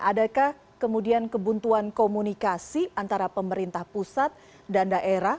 adakah kemudian kebuntuan komunikasi antara pemerintah pusat dan daerah